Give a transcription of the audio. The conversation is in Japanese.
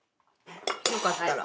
よかったら。